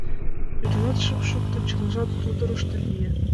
Йодынат шым шукто, чылажат содорышто лие.